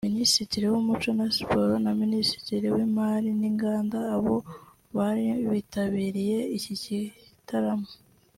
Minisitiri w'umuco na siporo na Minisitiri w'imari n'inganda abo bari mubitabiriye iki gitaramo